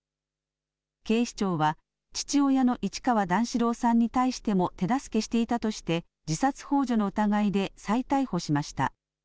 警視庁は父親の市川段四郎さんに対しても手助けしていたとして自殺ほう助の疑いで再逮捕しました。